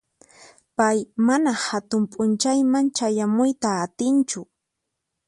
Pay mana hatun p'unchayman chayamuyta atinchu.